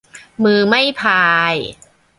มือไม่พาย